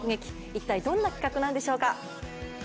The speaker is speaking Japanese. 一体、どんな企画なんでしょうか。